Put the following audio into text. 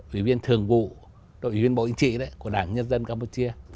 ủy viên thường vụ ủy viên bộ yên trị đấy của đảng nhân dân campuchia